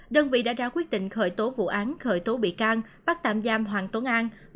đơn vị đã ra quyết định khởi tố vụ án khởi tố bị can bắt tạm giam hoàng tuấn an